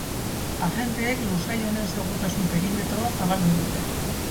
Agenteek lursail honen segurtasun perimetroa zabaldu dute.